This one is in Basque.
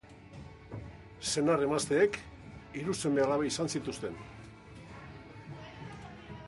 Senar-emazteek hiru seme-alaba izan zituzten.